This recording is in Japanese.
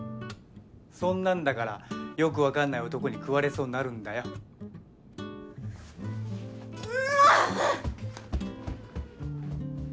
そんなんだからよく分かんない男に食われそうになるんだよもう！